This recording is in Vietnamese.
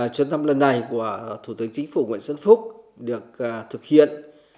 chuyến thăm lần này của thủ tướng chính phủ nguyễn xuân phúc được thực hiện